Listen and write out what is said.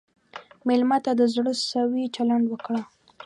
مېلمه ته د زړه سوي چلند وکړه.